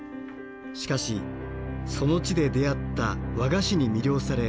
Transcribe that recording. しかしその地で出会った和菓子に魅了され帰国を決意。